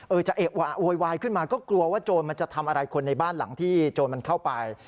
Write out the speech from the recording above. จะเอะโวยวายขึ้นมาก็กลัวว่าโจรมันจะทำอะไรคนในบ้านหลังที่โจรมันเข้าไป